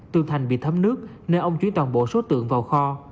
tường thành bị thấm nước nơi ông chuyển toàn bộ số tượng vào kho